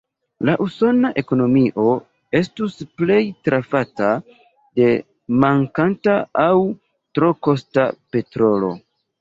La usona ekonomio estus plej trafata de mankanta aŭ tro kosta petrolo.